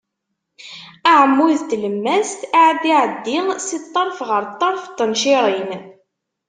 Aɛmud n tlemmast ad iɛeddi si ṭṭerf ɣer ṭṭerf n tencirin.